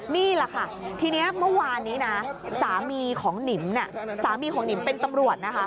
นี่แหละค่ะทีนี้เมื่อวานนี้สามีของนิมเป็นตำรวจ